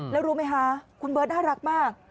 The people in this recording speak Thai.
แล้วรู้ไหมคะคุณเบิร์ตน่ารักมาก